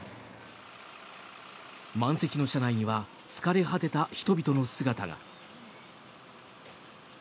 満席の車内には疲れ果てた人々の姿が。